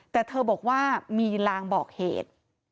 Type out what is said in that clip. แต่เธอบอกว่ามีลางบอกเหตุ